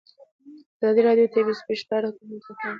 ازادي راډیو د طبیعي پېښې په اړه د حکومتي ستراتیژۍ ارزونه کړې.